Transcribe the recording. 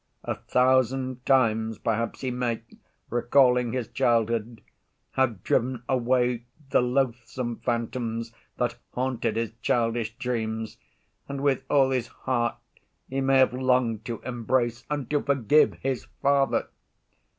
A thousand times perhaps he may, recalling his childhood, have driven away the loathsome phantoms that haunted his childish dreams and with all his heart he may have longed to embrace and to forgive his father!